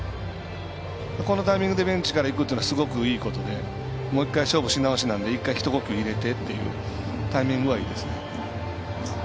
このタイミングでベンチから行くというのはすごくいいことでもう１回、勝負しなおしなのでひと呼吸入れてっていうタイミングはいいですね。